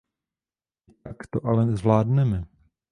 I tak to ale zvládneme.